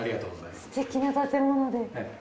すてきな建物で。